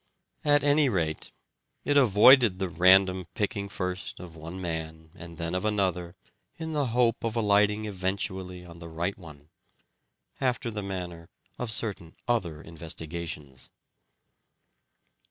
At any rate, it avoided the random picking first of one man and then of another in the hope of alighting eventually on the right one : after the manner of certain other investigations.